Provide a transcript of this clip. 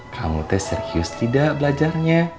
kamu teh serius tidak belajarnya